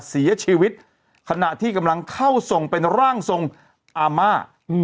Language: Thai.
เสียชีวิตขณะที่กำลังเข้าทรงเป็นร่างทรงอาม่า